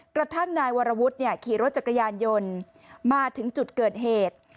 กระทั่งนายวรวุฒิขี่รถจักรยานยนต์มาถึงจุดเกิดเหตุ